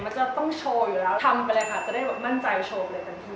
เวลาผู้ชายเขามอง